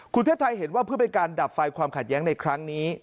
คุณเทิดไทยเห็นว่าเพื่อเป็นการดับไฟความขัดแย้งในครั้งนี้